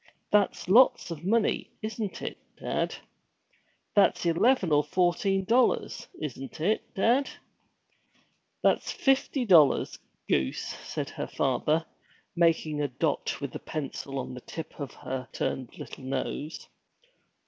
That's lots of money, isn't it, dad? That's eleven or fourteen dollars, isn't it, dad?' 'That's fifty dollars, goose!' said her father, making a dot with the pencil on the tip of her upturned little nose.